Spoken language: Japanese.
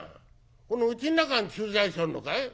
このうちん中に駐在所あんのかい？」。